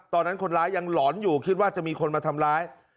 ตอนนั้นคนร้ายยังหลอนอยู่คิดว่าจะมีคนมาทำร้าย